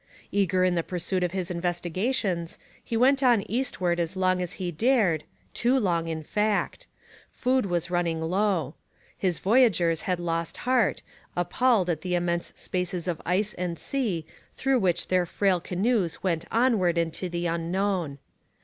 Eager in the pursuit of his investigations he went on eastward as long as he dared too long in fact. Food was running low. His voyageurs had lost heart, appalled at the immense spaces of ice and sea through which their frail canoes went onward into the unknown.